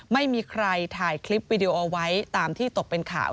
ไม่มีใครถ่ายคลิปวิดีโอเอาไว้ตามที่ตกเป็นข่าว